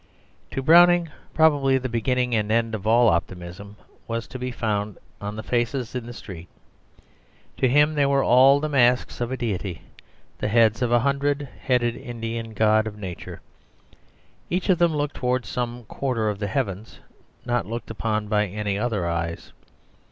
To Browning, probably the beginning and end of all optimism was to be found in the faces in the street. To him they were all the masks of a deity, the heads of a hundred headed Indian god of nature. Each one of them looked towards some quarter of the heavens, not looked upon by any other eyes.